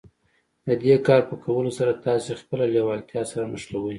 د دې کار په کولو سره تاسې خپله لېوالتیا سره نښلوئ.